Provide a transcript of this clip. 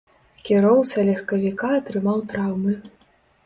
Кіроўца легкавіка атрымаў траўмы.